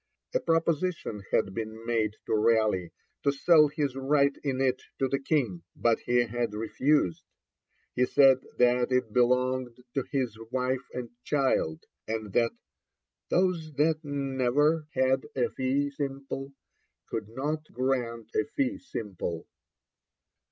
A proposition had been made to Raleigh to sell his right in it to the King, but he had refused; he said that it belonged to his wife and child, and that 'those that never had a fee simple could not grant a fee simple.'